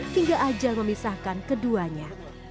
hingga ajal memisahkan keduanya